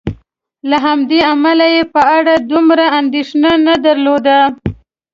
له همدې امله یې په اړه دومره اندېښنه نه درلودله.